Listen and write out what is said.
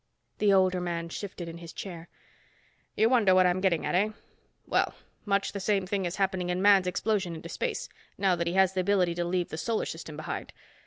The older man shifted in his chair. "You wonder what I'm getting at, eh? Well, much the same thing is happening in man's explosion into space, now that he has the ability to leave the solar system behind.